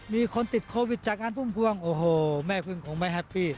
มีคนติดโควิดจากงานพุ่มพวงโอ้โหแม่พึ่งคงไม่แฮปปี้